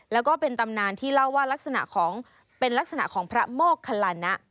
แล้วก็เป็นตำนานที่เล่าว่าเป็นลักษณะของพระมกรรณะ